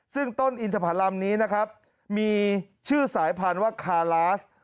ซึ่งต้นอินทภัณฑ์ลำนี้นะครับมีชื่อสายพันธุ์ว่าคาลาส